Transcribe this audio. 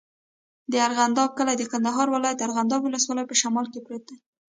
د ارغنداب کلی د کندهار ولایت، ارغنداب ولسوالي په شمال کې پروت دی.